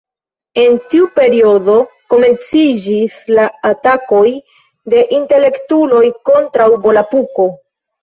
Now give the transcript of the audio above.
En tiu periodo, komenciĝis la atakoj de intelektuloj kontraŭ Volapuko.